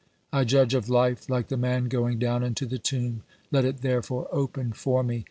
I judge of life like the man going down into the tomb ; let it therefore open for me.